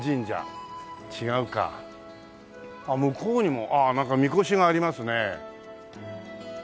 あっ向こうにもああなんかみこしがありますねえ。